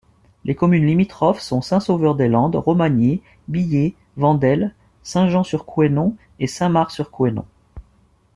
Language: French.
Les communes limitrophes sont Saint-Sauveur-des-Landes, Romagné, Billé, Vendel, Saint-Jean-sur-Couesnon et Saint-Marc-sur-Couesnon.